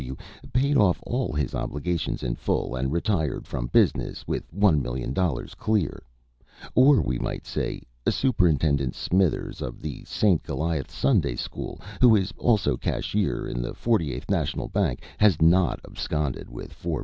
K. W., paid off all his obligations in full, and retired from business with $1,000,000 clear.' Or we might say, 'Superintendent Smithers, of the St. Goliath's Sunday school, who is also cashier in the Forty eighth National Bank, has not absconded with $4,000,000.'"